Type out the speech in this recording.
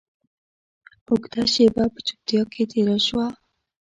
اوږده شېبه په چوپتيا کښې تېره سوه.